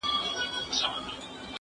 زه به سبا سیر کوم،